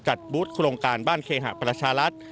จัดบุฏโครงการบ้านเคหประชาลัทธ์